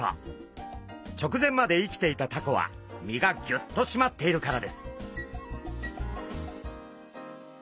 直前まで生きていたタコは身がぎゅっとしまっているからです。